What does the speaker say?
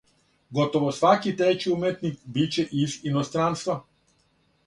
Готово сваки трећи уметник биће из иностранства.